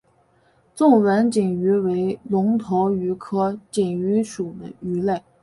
纵纹锦鱼为隆头鱼科锦鱼属的鱼类。